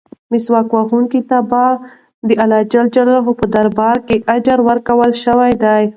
مسواک وهونکي ته به د اللهﷻ په دربار کې اجر ورکړل شي.